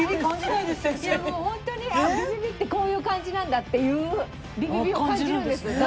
いやもう本当にビビビってこういう感じなんだっていうビビビを感じるんですけど。